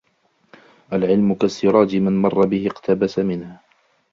العلم كالسراج من مر به اقتبس منه